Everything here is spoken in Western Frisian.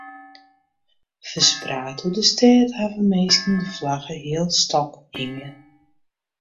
Ferspraat oer de stêd hawwe minsken de flagge healstôk hinge.